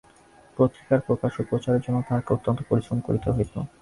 পত্রিকার প্রকাশ ও প্রচারের জন্য তাঁহাকে অত্যন্ত পরিশ্রম করিতে হইত।